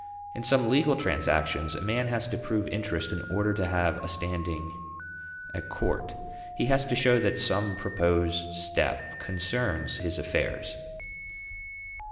In some legal transactions a man has to prove "interest" in order to have a standing at court. He has to show that some proposed step concerns his affairs.